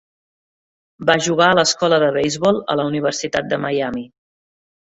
Va jugar a l'escola de beisbol a la Universitat de Miami.